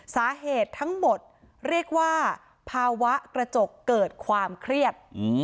สาเหตุทั้งหมดเรียกว่าภาวะกระจกเกิดความเครียด